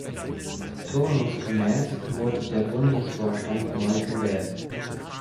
Turnusgemäß wurde der Bundesvorstand neu gewählt.